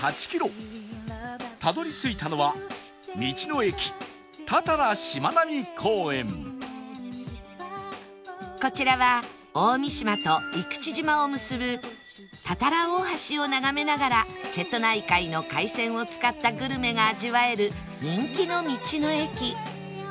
たどり着いたのはこちらは大三島と生口島を結ぶ多々羅大橋を眺めながら瀬戸内海の海鮮を使ったグルメが味わえる人気の道の駅